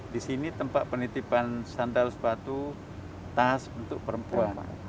di sini tempat penitipan sandal sepatu tas untuk perempuan